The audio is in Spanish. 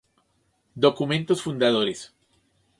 Documentos Fundadores